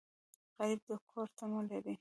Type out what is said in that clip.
غریب د کور تمه لري